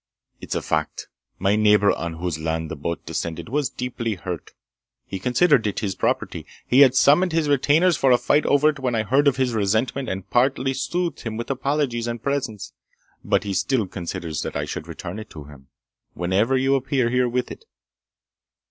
It's a fact! My neighbor, on whose land the boat descended, was deeply hurt. He considered it his property. He had summoned his retainers for a fight over it when I heard of his resentment and partly soothed him with apologies and presents. But he still considers that I should return it to him, whenever you appear here with it!"